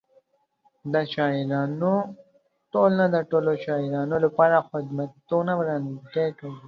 د شاعرانو ټولنه د ټولو شاعرانو لپاره خدمتونه وړاندې کوي.